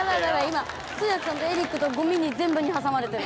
今通訳さんとエリックとゴミに全部に挟まれてる。